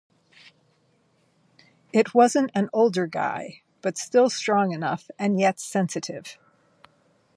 It wasn't an older guy, but still strong enough and yet sensitive.